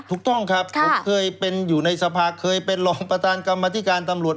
ถูกต้องครับผมเคยเป็นอยู่ในสภาเคยเป็นรองประธานกรรมธิการตำรวจ